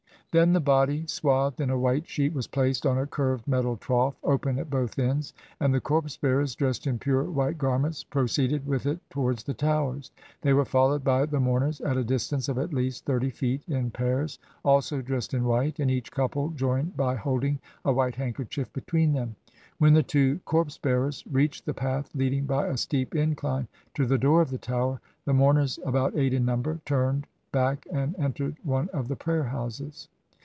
] Then the body, swathed in a white sheet, was placed on a curved metal trough, open at both ends, and the corpse bearers, dressed in pure white garments, pro ceeded with it towards the Towers. They were followed by the mourners at a distance of at least thirty feet, in pairs, also dressed in white, and each couple joined by holding a white handkerchief between them. When the two corpse bearers reached the path leading by a steep incline to the door of the Tower, the mourners, about eight in number, turned back and entered one of the prayer houses.